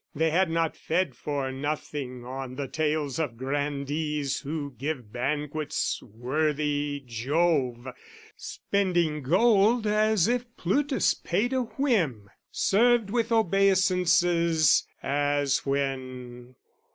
They had not fed for nothing on the tales Of grandees who give banquets worthy Jove, Spending gold as if Plutus paid a whim, Served with obeisances as when...